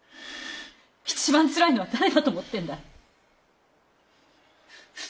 一番つらいのは誰だと思ってんだい。